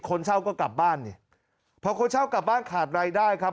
คนเช่าก็กลับบ้านนี่พอคนเช่ากลับบ้านขาดรายได้ครับ